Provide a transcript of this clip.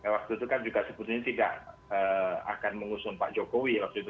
waktu itu kan juga sebetulnya tidak akan mengusung pak jokowi waktu itu